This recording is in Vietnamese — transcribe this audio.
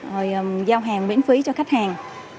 rồi giao hàng miễn phí cho khách hàng